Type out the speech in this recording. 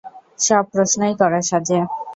সব প্রশ্নই করা সাজে।